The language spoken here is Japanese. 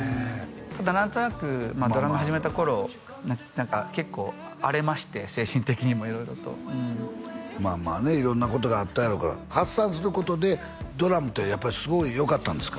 ただ何となくドラム始めた頃何か結構荒れまして精神的にも色々とまあまあね色んなことがあったやろうから発散することでドラムってやっぱりすごいよかったんですか？